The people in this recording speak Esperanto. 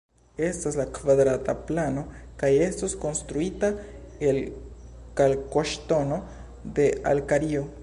Estas de kvadrata plano kaj estos konstruita el kalkoŝtono de Alkario.